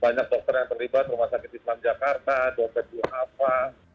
banyak dokter yang terlibat rumah sakit islam jakarta dokter muhafa